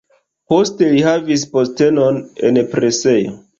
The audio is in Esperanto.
Poste li havis postenon en presejo.